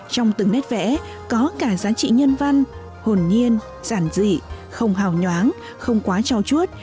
trong từng nét vẽ có cả giá trị nhân văn hồn nhiên giản dị không hào nhoáng không quá trao chuốt